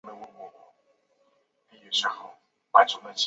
马尔库。